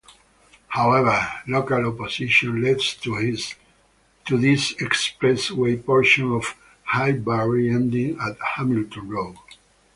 However, local opposition led to this expressway portion of Highbury ending at Hamilton Roa.